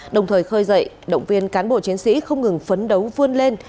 đồng thời khơi dậy động viên cán bộ chiến sĩ không ngừng phấn đấu vươn lên